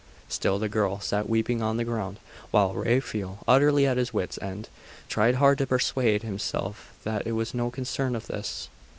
Still the girl sat weeping on the ground; while Raphael, utterly at his wits end, tried hard to persuade himself that it was no concern of his.